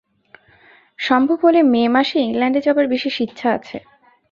সম্ভব হলে মে মাসে ইংলণ্ডে যাবার বিশেষ ইচ্ছা আছে।